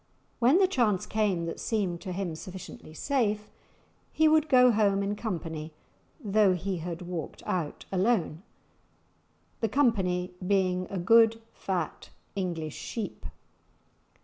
When the chance came that seemed to him sufficiently safe, he would go home in company though he had walked out alone; the "company" being a good fat English sheep.